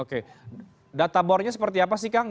oke data bornya seperti apa sih kang